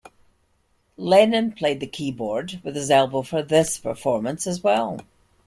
Lennon played the keyboard with his elbow for this performance as well.